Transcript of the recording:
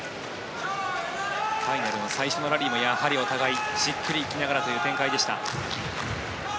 ファイナルの最初のラリーもお互いにじっくり行きながらという展開でした。